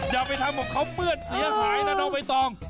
อย่าไปทำของเขาเปื้อนเสียหายนะน้องใบตอง